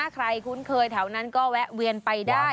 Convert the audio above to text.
ใครคุ้นเคยแถวนั้นก็แวะเวียนไปได้